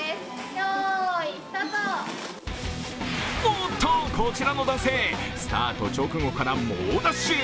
おっと、こちらの男性、スタート直後から猛ダッシュ。